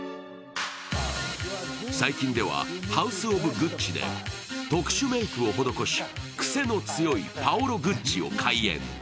最近では「ハウス・オブ・グッチ」で特殊メークを施し癖の強いパオロ・グッチを怪演。